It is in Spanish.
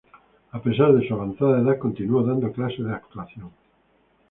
A pesar de su avanzada edad continuó dando clases de actuación.